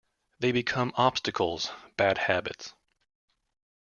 They become obstacles, bad habits.